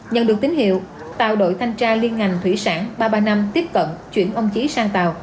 nhận được tín hiệu tạo đội thanh tra liên ngành thủy sản ba trăm ba mươi năm tiếp cận chuyển ông chí sang tàu